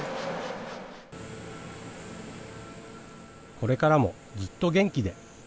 これからも、ずっと元気で。